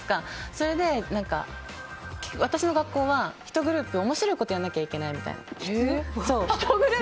それで私の学校は１グループ面白いことをやらなきゃいけないみたいな。